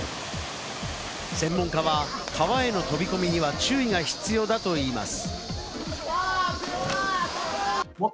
専門家は川への飛び込みには注意が必要だといいます。